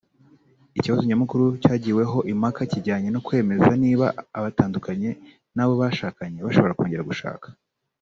Ikibazo nyamukuru cyagiweho impaka kijyanye no kwemeza niba abatandukanye n’abo bashakanye bashobora kongera gushaka